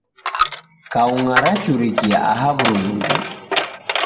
Kaunga rachurikia aha wurumwengunyi